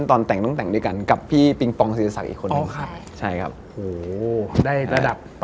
แต่ถ้าจะหลับเปิดไปก็หลับได้ครับ